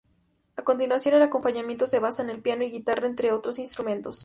A continuación el acompañamiento se basa en el piano y guitarra entre otros instrumentos.